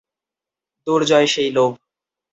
দুর্জয় সেই লোভ।